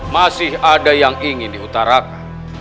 masih ada yang ingin diutarakan